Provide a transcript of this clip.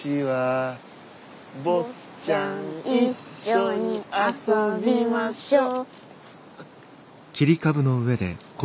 「坊ちゃん一緒に遊びましょう」